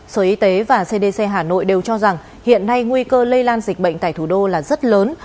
sở y tế và cdc hà nội đều cho rằng hiện nay nguy cơ lây lan dịch bệnh tại thủ đô là rất lớn